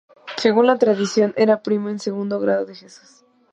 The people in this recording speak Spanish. Según la tradición era primo en segundo grado de Jesús.